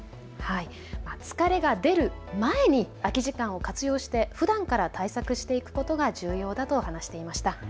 疲れが出る前に空き時間を活用して、ふだんから対策していくことが重要だと話していました。